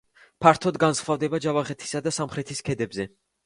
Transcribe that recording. ფართოდ გვხვდება ჯავახეთისა და სამსრის ქედებზე.